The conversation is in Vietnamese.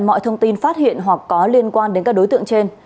mọi thông tin phát hiện hoặc có liên quan đến các đối tượng trên